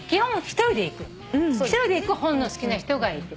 一人で行く本の好きな人が行く。